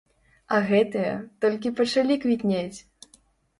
А гэтыя, толькі пачалі квітнець!